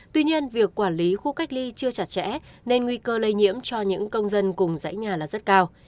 tuy nhiên việc quản lý khu cách ly chưa chặt chẽ nên nguy cơ lây nhiễm cho những công dân cùng dãy nhà là rất cao